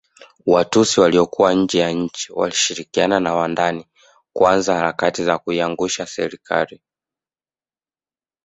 Watutsi waliokuwa nje ya nchi walishirikiana na wa ndani kuanza harakati za kuiangusha Serikali